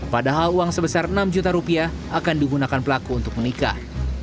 padahal uang sebesar enam juta rupiah akan digunakan pelaku untuk menikah